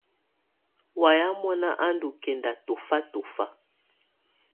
Wayɛ̀á mɔ̀na á ndù kɛnda tɔ̀fa tɔ̀fa.